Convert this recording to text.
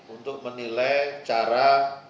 untuk menilai cara